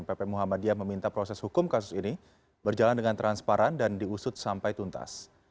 pp muhammadiyah meminta proses hukum kasus ini berjalan dengan transparan dan diusut sampai tuntas